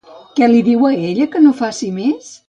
Què li diu a ella que no faci més?